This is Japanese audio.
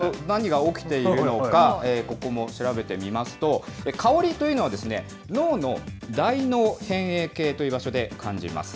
そうですね、ちょっと何が起きているのか、ここも調べてみますと、香りというのは、脳の大脳辺縁系という場所で感じます。